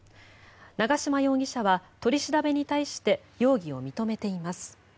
長島容疑者は取り調べに対して容疑を認めています。